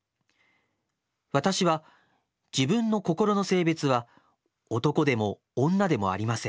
私は自分の心の性別は男でも女でもありません。